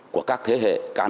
của các thế hệ